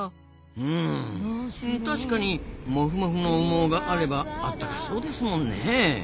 うん確かにモフモフの羽毛があればあったかそうですもんねえ。